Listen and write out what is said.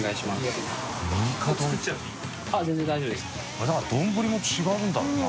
あれだからどんぶりも違うんだろうな。